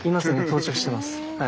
到着してます。